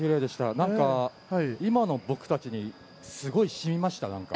なんか、今の僕たちにすごいしみました。